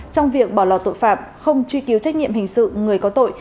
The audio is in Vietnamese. trong việc bỏ lò tội phạm không truy cứu trách nhiệm hình sự người có tội